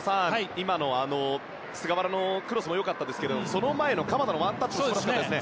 今の菅原のクロスも良かったですがその前の鎌田のワンタッチも素晴らしかったですね。